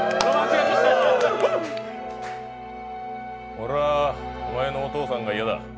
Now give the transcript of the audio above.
おらあ、お前のお父さんが嫌だ。